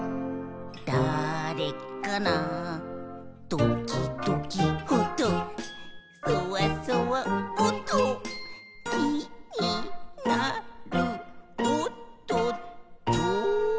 「どきどきおっとそわそわおっと」「きになるおっとっと」